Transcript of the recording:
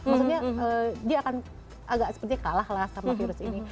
maksudnya dia akan agak sepertinya kalah lah sama virus ini